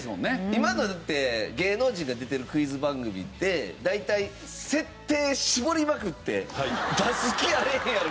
今のって芸能人が出てるクイズ番組って大体設定絞りまくって出す気あれへんやろ！